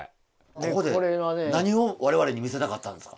ここで何を我々に見せたかったんですか？